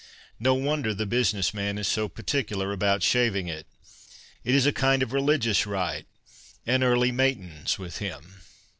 No wonder the business man is so particu lar about shaving it ! It is a kind of religious rite, an Early Matins, with him.